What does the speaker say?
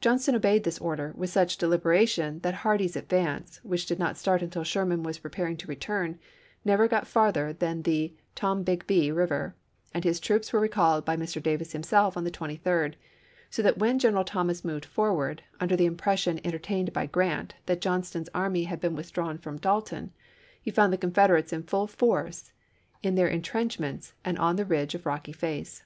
Johnston obeyed this order with such de liberation that Hardee's advance, which did not start until Sherman was preparing to return, never got farther than the Tombigbee River, and his troops were recalled by Mr. Davis himself on the 23d, so that when General Thomas moved forward, under the impression entertained by Grant that John ston's army had been withdrawn from Dalton he found the Confederates in full force in their in trenchments and on the ridge of Rocky Face.